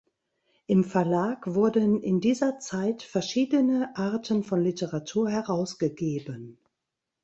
Im Verlag wurden in dieser Zeit verschiedene Arten von Literatur herausgegeben.